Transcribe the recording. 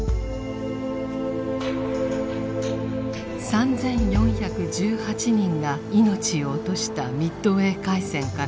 ３４１８人が命を落としたミッドウェー海戦から８１年。